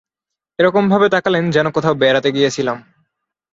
এরকমভাবে তাকালেন যেন কোথাও বেড়াতে গিয়েছিলাম।